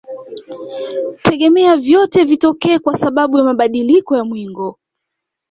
Tegemea vyote vitokee kwa sababu ya mabadiliko ya mwingo